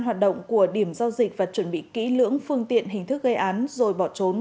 hoạt động của điểm giao dịch và chuẩn bị kỹ lưỡng phương tiện hình thức gây án rồi bỏ trốn